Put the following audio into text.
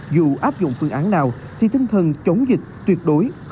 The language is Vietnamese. dù áp dụng phương án nào thì tinh thần chống dịch tuyệt đối